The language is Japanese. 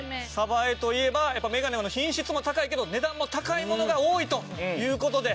江といえばやっぱ眼鏡の品質も高いけど値段も高いものが多いという事で。